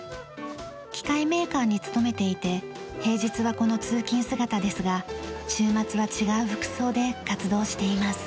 機械メーカーに勤めていて平日はこの通勤姿ですが週末は違う服装で活動しています。